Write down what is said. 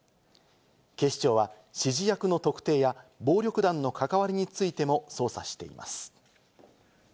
警視庁は指示役の特定や暴力団の関わりについても捜査しています。